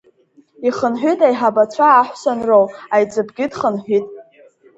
Ихынҳәит аиҳабацәа аҳәса анроу, аиҵыбгьы дхынҳәит.